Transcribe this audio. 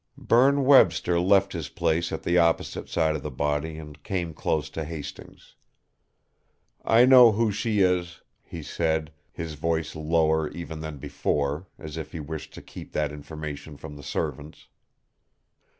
Berne Webster left his place at the opposite side of the body and came close to Hastings. "I know who she is," he said, his voice lower even than before, as if he wished to keep that information from the servants.